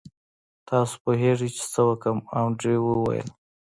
تاسو پوهیږئ چې څه وکړم انډریو وویل